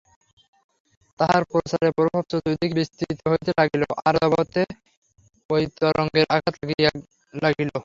তাঁহার প্রচারের প্রভাব চতুর্দিকে বিস্তৃত হইতে লাগিল, আর্যাবর্তে ঐ তরঙ্গের আঘাত লাগিল।